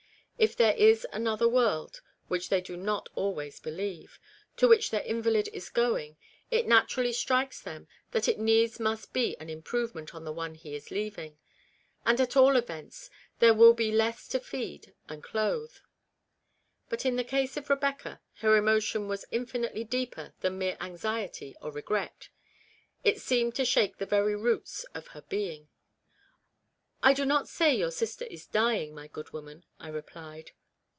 If there is another world (which they do not always believe) to which their invalid is going, it naturally strikes them that it needs must be an improvement on the one he is leaving ; and at all events there will be one less to feed and clothe. But in the case of Rebecca, her emotion was infinitely deeper than mere anxiety or regret ; it seemed to shake the very roots of her being. " I do not say your sister is dying, my good woman," I replied.